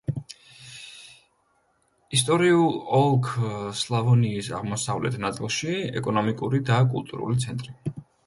ისტორიულ ოლქ სლავონიის აღმოსავლეთ ნაწილის ეკონომიკური და კულტურული ცენტრი.